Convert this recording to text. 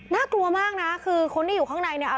น่ากลัวมากนะคือคนที่อยู่ข้างในเนี่ย